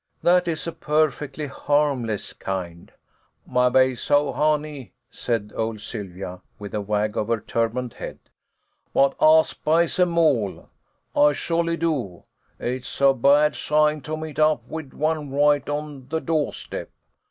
That is a perfectly harmless kind." " Maybe so, honey," said old Sylvia, with a wag of her turbaned head, " but I 'spise 'em all, I sho'ly do. It's a bad sign to meet up wid one right on de do'step.